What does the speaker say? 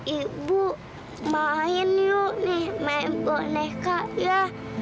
ibu main yuk nih main boneka ya